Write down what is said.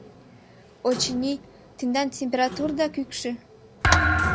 — Очыни, тендан температурыда кӱкшӧ.